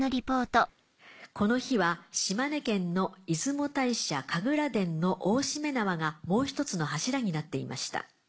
「この日は島根県の出雲大社神楽殿の大しめ縄がもう１つの柱になっていました。